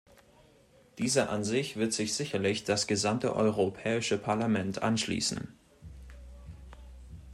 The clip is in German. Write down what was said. Dieser Ansicht wird sich sicherlich das gesamte Europäische Parlament anschließen.